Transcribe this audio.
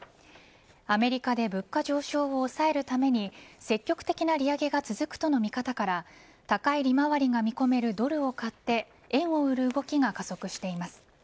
アメリカで物価上昇を抑えるために積極的な利上げが続くとの見方から高い利回りが見込めるドルを買って円を売る動きが加速しています。